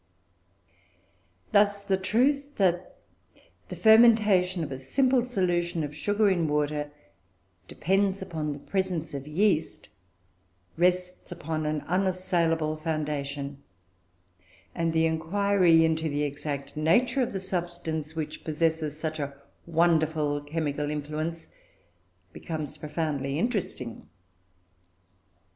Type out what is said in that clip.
Thus, the truth that the fermentation of a simple solution of sugar in water depends upon the presence of yeast, rests upon an unassailable foundation; and the inquiry into the exact nature of the substance which possesses such a wonderful chemical influence becomes profoundly interesting.